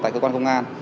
tại cơ quan công an